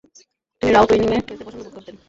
তিনি রাইট উইং-এ খেলতে স্বাচ্ছন্দ বোধ করতেন।